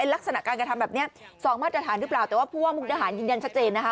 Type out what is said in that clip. ลักษณะการกระทำแบบนี้๒มาตรฐานหรือเปล่าแต่ว่าผู้ว่ามุกดาหารยืนยันชัดเจนนะคะ